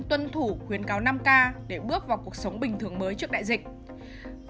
tuân thủ khuyến cáo năm k để bước vào cuộc sống bình thường mới trước đại dịch